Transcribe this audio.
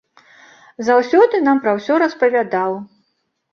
Заўсёды нам пра усё распавядаў.